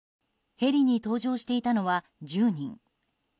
ヘリに搭乗していたのは１０人。